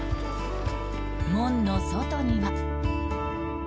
門の外には。